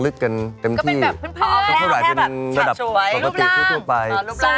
แล้วโตขึ้นมาหน่อยสเปคเปลี่ยนไปยังไง